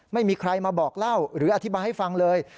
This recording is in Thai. ไม่มีใครมาบอกเล่าหรืออธิบายให้ฟังเลย